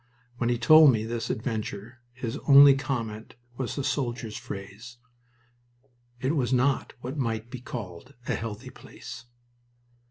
When he told me this adventure his only comment was the soldier's phrase, "It was not what might be called a 'healthy' place."